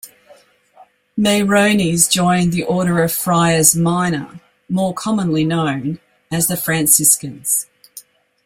Meyronnes joined the Order of Friars Minor, more commonly known as the Franciscans.